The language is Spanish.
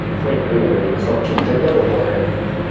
Fue incluido en el mejor quinteto del torneo.